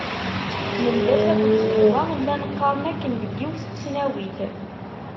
Mendas akked Zehwa llan qqaren akken deg yiwet n tesnawit.